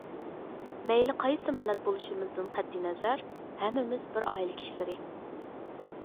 مەيلى قايسى مىللەت بولۇشىمىزدىن قەتئىينەزەر، ھەممىمىز بىر ئائىلە كىشىلىرى.